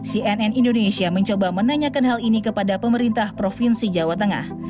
cnn indonesia mencoba menanyakan hal ini kepada pemerintah provinsi jawa tengah